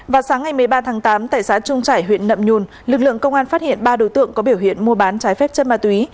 vào sáng ngày một mươi ba tháng tám tại xã trung trải huyện nậm nhùn lực lượng công an phát hiện ba đối tượng có biểu hiện mua bán trái phép chất ma túy